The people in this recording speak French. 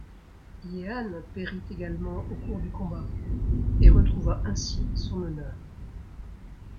Jehan périt également au cours du combat, et retrouva ainsi son honneur.